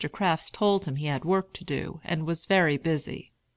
Crafts told him he had work to do, and was very busy.